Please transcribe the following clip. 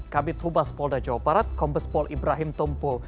kabit hubas polda jawa barat kombes pol ibrahim tumpo